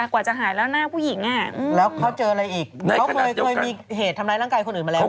กว่าจะหายแล้วหน้าผู้หญิงแล้วเขาเจออะไรอีกเขาเคยมีเหตุทำร้ายร่างกายคนอื่นมาแล้ว